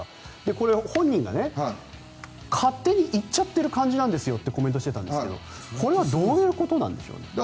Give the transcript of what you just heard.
これ、本人が勝手に行っちゃってる感じなんですとコメントしていたんですがこれはどういうことですか。